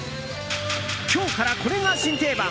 今日からこれが新定番。